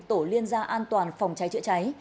tổ liên gia an toàn phòng cháy chữa cháy